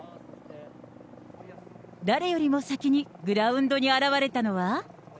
誰よりも先にグラウンドに現れたのは。